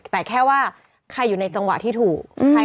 แต่แค่ว่าใครอยู่ในจังหวะที่ถูก